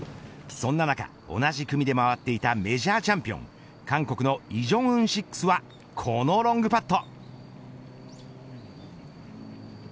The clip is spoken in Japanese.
そんな中、同じ組で回っていたメジャーチャンピオン韓国のイ・ジョンウン６はこのロングパット。